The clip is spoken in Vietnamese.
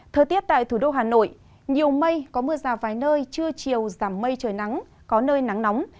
thời tiết tại thủ đô hà nội nhiều mây có mưa rào vài nơi trưa chiều giảm mây trời nắng có nơi nắng nóng